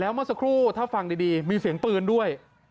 เมื่อสักครู่ถ้าฟังดีมีเสียงปืนด้วย